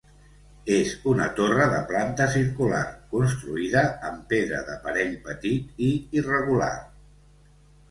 És una torre de planta circular, construïda amb pedra d'aparell petit i irregular.